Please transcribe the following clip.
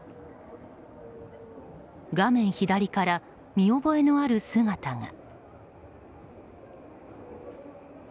画面左から見覚えのある姿が。